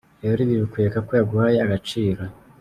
Rero ibi bikwereka ko yaguhaye agaciro.